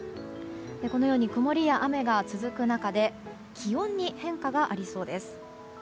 このように曇りや雨が続く中で気温に変化がありそうです。